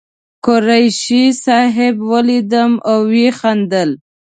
قریشي صاحب ولیدم او وخندل.